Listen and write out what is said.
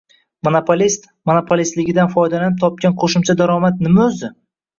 Monopolist monopolistligidan foydalanib topgan qo‘shimcha daromad nima o‘zi?